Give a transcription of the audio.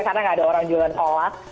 karena nggak ada orang jualan kolak